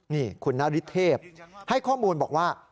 นี่คุณนฤทเทพให้ข้อมูลบอกว่า